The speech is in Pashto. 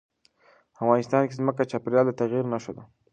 افغانستان کې ځمکه د چاپېریال د تغیر نښه ده.